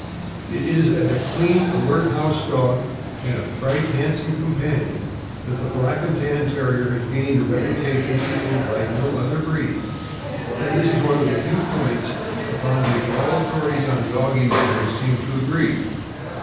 It is as a clean, alert house dog and a bright, handsome companion that the Black and Tan Terrier has gained a reputation equaled by no other breed; and this is one of the few points upon which all authorities on doggy matters seem to agree.